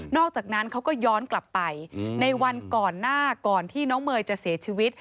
อกจากนั้นเขาก็ย้อนกลับไปในวันก่อนหน้าก่อนที่น้องเมย์จะเสียชีวิต